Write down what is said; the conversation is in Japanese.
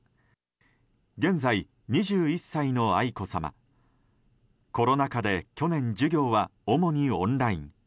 現在、２１歳の愛子さまコロナ禍で去年授業は主にオンライン。